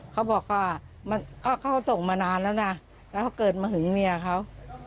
เขาบอกว่าเขาส่งมานานแล้วนะแล้วเขาเกิดมาหึงเมียเขา